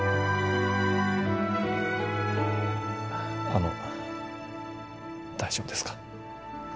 あの大丈夫ですか？